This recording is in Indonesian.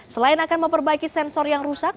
selain akan memperbaiki sensor yang rusak